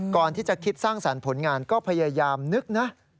ก่อนที่จะคิดสร้างสรรค์ผลงานก็พยายามนึกนะ